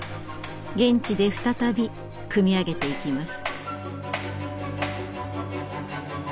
現地で再び組み上げていきます。